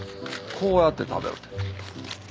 こうやって食べる。